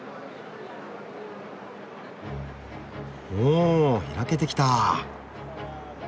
お開けてきた！